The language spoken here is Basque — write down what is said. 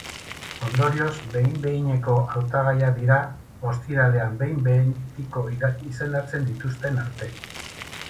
Ondorioz, behin-behineko hautagaiak dira, ostiralean behin betiko izendatzen dituzten arte.